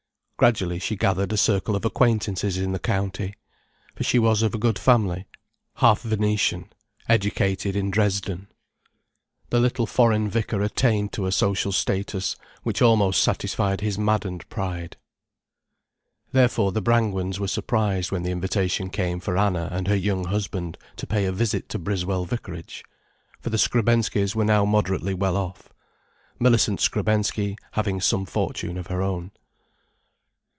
Gradually she gathered a circle of acquaintances in the county. For she was of good family, half Venetian, educated in Dresden. The little foreign vicar attained to a social status which almost satisfied his maddened pride. Therefore the Brangwens were surprised when the invitation came for Anna and her young husband to pay a visit to Briswell vicarage. For the Skrebenskys were now moderately well off, Millicent Skrebensky having some fortune of her own.